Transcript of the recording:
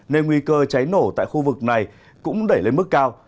nên nguy cơ cháy nổ tại khu vực này cũng đẩy lên mức cao